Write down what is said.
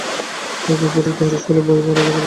একদিন ফটিক তাহার স্কুলের বই হারাইয়া ফেলিল।